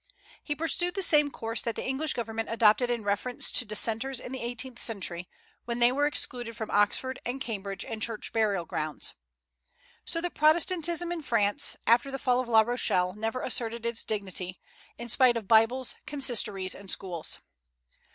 He pursued the same course that the English government adopted in reference to Dissenters in the eighteenth century, when they were excluded from Oxford and Cambridge and church burial grounds. So that Protestantism in France, after the fall of La Rochelle, never asserted its dignity, in spite of Bibles, consistories, and schools.